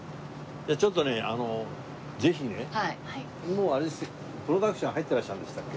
じゃあちょっとねあのぜひねもうあれプロダクションは入ってらっしゃるんでしたっけ？